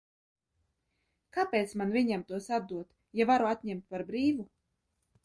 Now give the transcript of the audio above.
Kāpēc man viņam tos atdot, ja varu atņemt par brīvu?